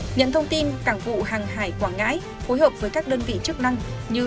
nhận thông tin cảng vụ hàng hải quảng ngãi phối hợp với các đơn vị chức năng như